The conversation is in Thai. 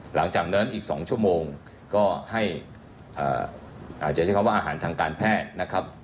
หลังจากนั้นอีก๒ชั่วโมงก็ให้อาจจะใช้คำว่าอาหารทางการแพทย์นะครับ